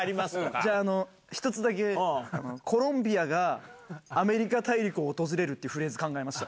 じゃあ、１つだけ、コロンビアがアメリカ大陸を訪れるっていうフレーズ考えました。